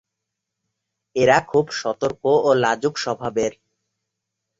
এরা খুব সতর্ক ও লাজুক স্বভাবের।